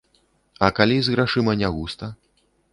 А калі з грашыма нягуста?